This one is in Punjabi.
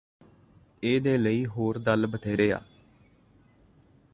ਏਦੇ ਲਈ ਹੋਰ ਦਲ ਬਥੇਰੇ ਆ